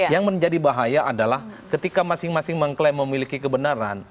yang menjadi bahaya adalah ketika masing masing mengklaim memiliki kebenaran